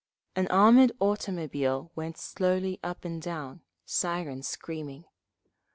An armoured automobile went slowly up and down, siren screaming.